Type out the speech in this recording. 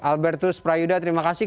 albertus prayuda terima kasih